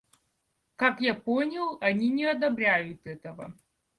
Как я понял, они не одобряют этого.